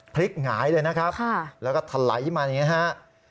พริกหงายเลยนะครับแล้วก็ทะไหลมาอย่างนี้นะครับค่ะ